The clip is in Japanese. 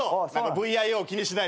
ＶＩＯ気にしない。